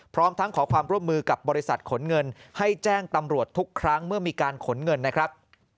พร้อมทั้งขอความร่วมมือกับบริษัทขนเงินให้แจ้งตำรวจทุกครั้งเมื่อมีการขนเงินนะครับ